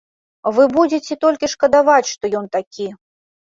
Вы будзеце толькі шкадаваць, што ён такі.